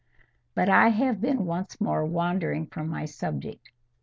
But I have been once more wandering from my subject.